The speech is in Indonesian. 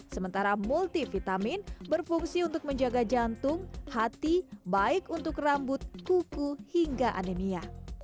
sementara multivitamin berfungsi untuk menjaga jantung hati baik untuk rambut kuku hingga anemia